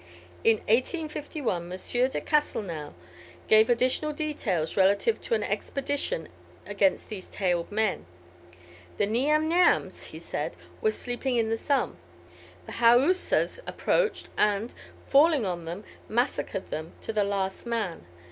In 1851, M. de Castelnau gave additional details relative to an expedition against these tailed men. "The Niam niams," he says, "were sleeping in the sun: the Haoussas approached, and, falling on them, massacred them to the last man.